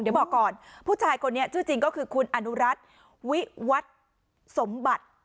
เดี๋ยวบอกก่อนผู้ชายคนนี้ชื่อจริงก็คือคุณอนุรัติวิวัตรสมบัติ